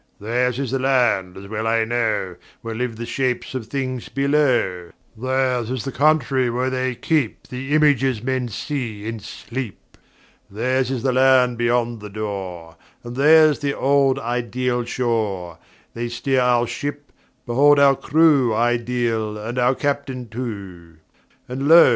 "Theirs is the land (as well I know) Where live the Shapes of Things Below: Theirs is the country where they keep The Images men see in Sleep. "Theirs is the Land beyond the Door, And theirs the old ideal shore. They steer our ship: behold our crew Ideal, and our Captain too. "And lo!